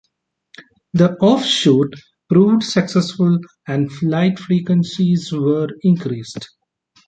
The offshoot proved successful and flight frequencies were increased.